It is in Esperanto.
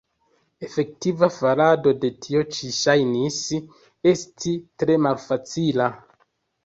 Efektiva farado de tio ĉi ŝajnis esti tre malfacila.